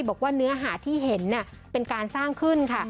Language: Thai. บอกว่าเนื้อหาที่เห็นเป็นการสร้างขึ้นค่ะ